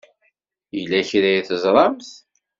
Yella kra i teẓṛamt?